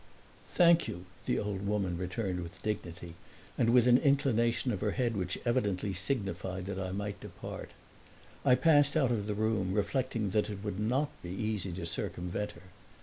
"Thank you," the old woman returned with dignity and with an inclination of her head which evidently signified that I might depart. I passed out of the room, reflecting that it would not be easy to circumvent her.